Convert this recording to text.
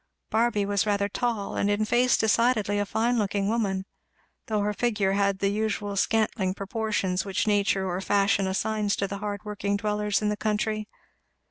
Barby was rather tall, and in face decidedly a fine looking woman, though her figure had the usual scantling proportions which nature or fashion assigns to the hard working dwellers in the country.